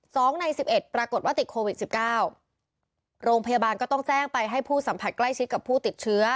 สองในสิบเอ็ดปรากฏว่าติดโควิดสิบเก้าโรงพยาบาลก็ต้องแจ้งไปให้ผู้สัมผัสใกล้ชิดกับผู้ติดเชื้อ